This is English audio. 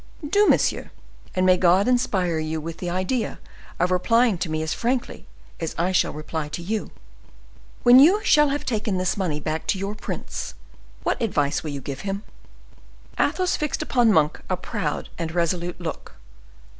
"Do, monsieur; and may God inspire you with the idea of replying to me as frankly as I shall reply to you." "When you shall have taken this money back to your prince, what advice will you give him?" Athos fixed upon Monk a proud and resolute look.